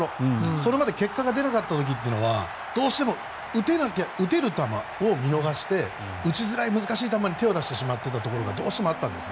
それまで結果が出なかった時はどうしても打てる球を見逃して打ちづらい難しい球に手を出してしまっていたところがどうしてもあったんです。